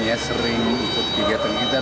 ya sering ikut kegiatan kita